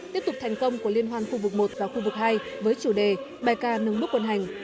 tiếp tục thành công của liên hoan khu vực một và khu vực hai với chủ đề bài ca nâng bức quân hành